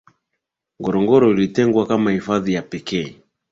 ngorongoro ilitengwa kama hifadhi ya pekee